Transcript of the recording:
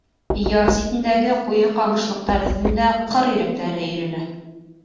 Яр ситендәге ҡуйы ҡамышлыҡтар өҫтөндә ҡыр өйрәктәре өйөрөлә.